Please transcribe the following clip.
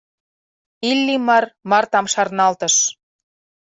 Иллимар Мартам шарналтыш.